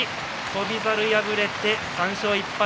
翔猿、敗れて３勝１敗。